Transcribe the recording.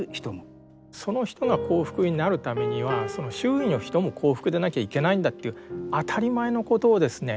その人が幸福になるためには周囲の人も幸福でなきゃいけないんだという当たり前のことをですね。